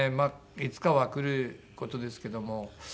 いつかは来る事ですけども。